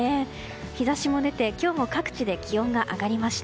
日差しも出て今日も各地で気温が上がりました。